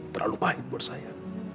terlalu pahit buat saya